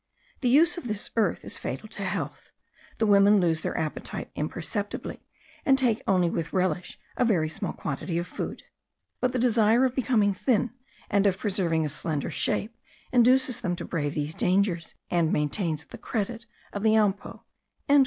The use of this earth is fatal to health; the women lose their appetite imperceptibly, and take only with relish a very small quantity of food; but the desire of becoming thin, and of preserving a slender shape, induces them to brave these dangers, and maintains the credit of the ampo."